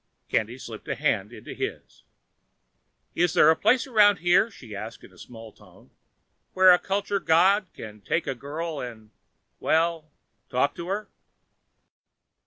Candy slipped a hand into his. "Is there a place around here," she asked in a small tone, "where a culture god can take a girl and well, talk to her?"